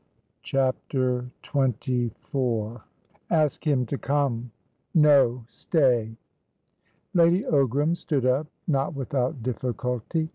CHAPTER XXIV "Ask him to come. No! Stay!" Lady Ogram stood up, not without difficulty.